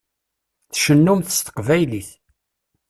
Tcennumt s teqbaylit.